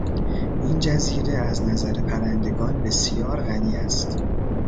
این جزیره از نظر پرندگان بسیار غنی است.